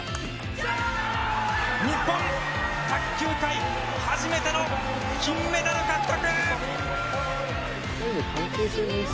日本卓球界初めての金メダル獲得！